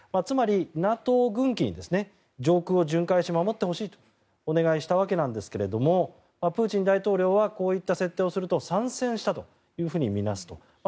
つまり、ＮＡＴＯ軍機に上空を巡回して守ってほしいとお願いしたわけなんですがプーチン大統領はこういった設定をすると参戦をしたと見なすと。